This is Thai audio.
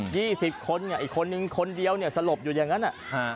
สิบคนเนี่ยอีกคนนึงคนเดียวเนี่ยสลบอยู่อย่างนั้นอ่ะฮะ